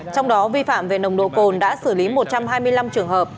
trong đó vi phạm về nồng độ cồn đã xử lý một trăm hai mươi năm trường hợp